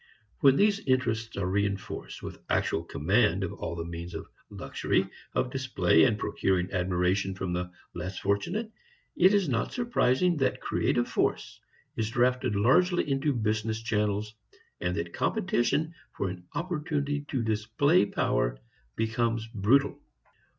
When these interests are reinforced with actual command of all the means of luxury, of display and procuring admiration from the less fortunate, it is not surprising that creative force is drafted largely into business channels, and that competition for an opportunity to display power becomes brutal.